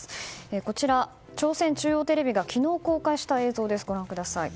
こちら、朝鮮中央テレビが昨日公開した映像です。